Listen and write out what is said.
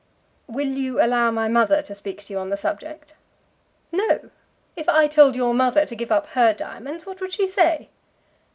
"Will you allow my mother to speak to you on the subject?" "No. If I told your mother to give up her diamonds, what would she say?"